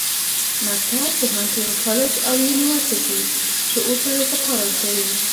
مکتب، پوهنتون، کالج او یونیورسټي شعور ته ارتقا ورکوي.